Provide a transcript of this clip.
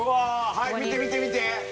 はい見て見て見て！